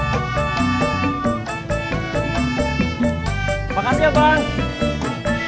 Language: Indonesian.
suaranya baru banget bang